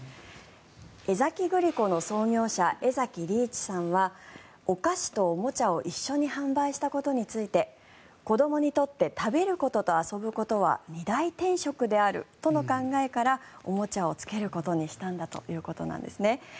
江崎グリコの創業者江崎利一さんはお菓子とおもちゃを一緒に販売したことについて子どもにとって食べることと遊ぶことは二大天職であるとの考えからおもちゃをつけることにしたんだということなんですね。